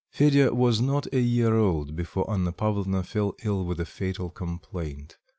Fedya was not a year old before Anna Pavlovna fell ill with a fatal complaint.